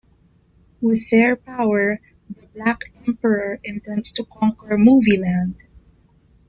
With their power, the Black Emperor intends to conquer Movieland.